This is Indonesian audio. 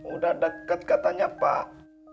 udah deket katanya pak